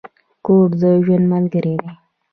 کور د ژوند ملګری دی.